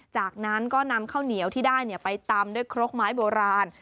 จากนั้นก็นำข้าวเหนียวที่ได้ไปตำด้วยครกไม้โบราณ